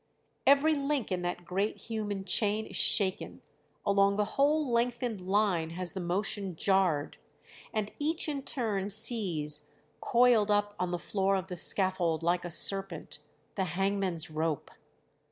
Every link in that great human chain is shaken, along the whole lengthened line has the motion jarred, and each in turn sees, coiled up on the floor of the scaffold like a serpent, the hangman's rope!